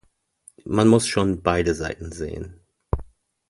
Man muss schon beide Seiten sehen.